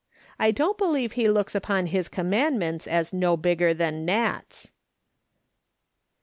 I don't believe he looks upon his commandments as no bigger than gnats."